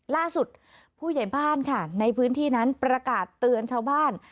ล่าสุดผู้ใหญ่บ้านค่ะในพื้นที่นั้นประกาศเตือนชาวบ้าน